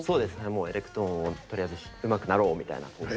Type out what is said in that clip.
もうエレクトーンをとりあえずうまくなろうみたいなコース。